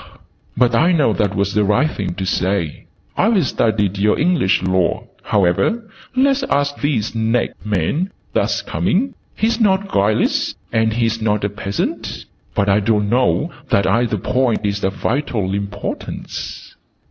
"But I know that was the right thing to say. I've studied your English Laws. However, let's ask this next man that's coming. He is not guileless, and he is not a peasant but I don't know that either point is of vital importance."